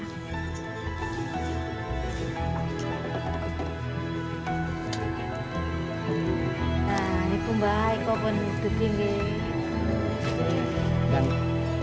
nah ini pembahas eko penutup tinggi